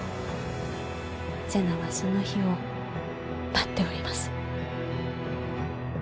瀬名はその日を待っております。